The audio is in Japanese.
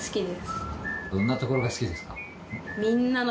どんなところが好きですか？